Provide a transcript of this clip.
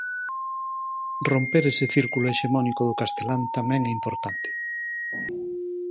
Romper ese círculo hexemónico do castelán tamén é importante.